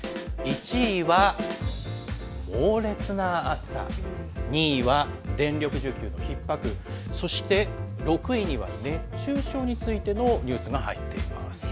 １位は猛烈な暑さ、２位は電力需給のひっ迫、そして６位には熱中症についてのニュースが入っています。